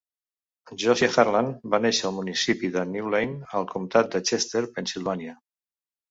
Josiah Harlan va néixer al municipi de Newlin, al comtat de Chester, Pennsylvania.